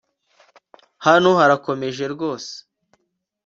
hano harakomeje rwose